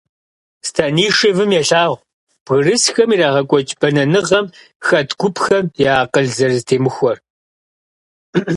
Станишевым елъагъу бгырысхэм ирагъэкӀуэкӀ бэнэныгъэм хэт гупхэм я акъыл зэрызэтемыхуэр.